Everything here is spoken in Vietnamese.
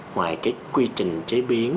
ngoài cái quy trình chế biến